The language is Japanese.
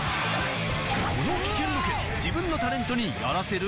この危険ロケ自分のタレントにやらせる？